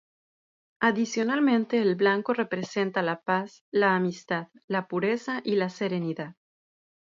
Adicionalmente el blanco representa la paz, la amistad, la pureza y la serenidad.